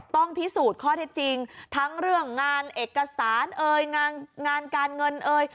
ต้องพิสูจน์ข้อเท็จจริงทั้งเรื่องงานเอกสารเอ่ยงานการเงินเอ่ย